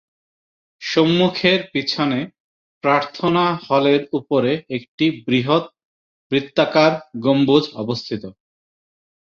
সম্মুখের পিছনে প্রার্থনা হলের উপরে একটি বৃহত বৃত্তাকার গম্বুজ অবস্থিত।